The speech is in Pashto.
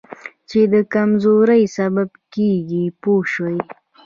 چې د کمزورۍ سبب کېږي پوه شوې!.